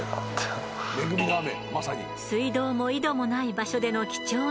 水道も井戸もない場所での貴重な水。